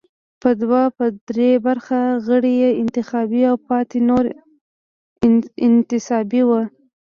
دوه پر درې برخه غړي یې انتخابي او پاتې نور انتصابي وو.